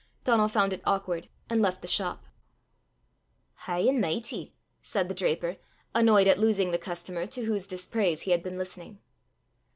Donal found it awkward, and left the shop. "High an' michty!" said the draper, annoyed at losing the customer to whose dispraise he had been listening.